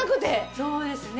そうですね。